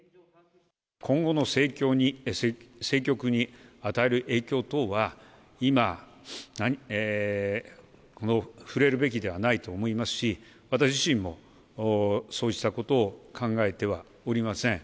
今後の政局に与える影響等は、今、触れるべきではないと思いますし、私自身もそうしたことを考えてはおりません。